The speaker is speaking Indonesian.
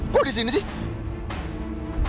kok di sini sih